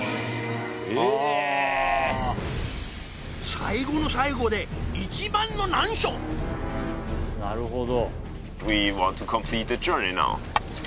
最後の最後でいちばんの難所なるほど。